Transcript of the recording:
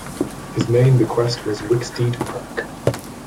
His main bequest was Wicksteed Park.